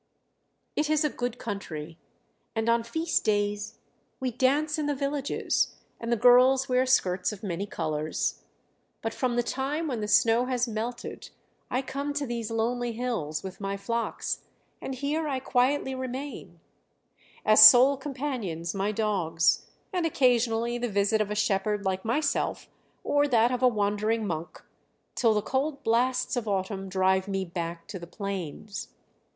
"It is a good country; and on feast days we dance in the villages, and the girls wear skirts of many colours. But from the time when the snow has melted I come to these lonely hills with my flocks, and here I quietly remain as sole companions my dogs, and occasionally the visit of a shepherd like myself or that of a wandering monk till the cold blasts of autumn drive me back to the plains.